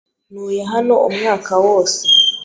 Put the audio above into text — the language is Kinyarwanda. Ntuye hano umwaka wose.